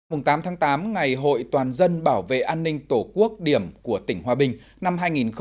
mùng tám tháng tám ngày hội toàn dân bảo vệ an ninh tổ quốc điểm của tỉnh hòa bình năm hai nghìn một mươi chín